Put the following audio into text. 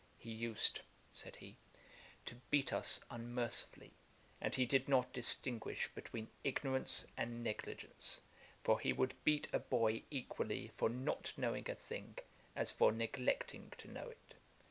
He used (said he) to beat us unmercifully; and he did not distinguish between ignorance and negligence; for he would beat a boy equally for not knowing a thing, as for neglecting to know it.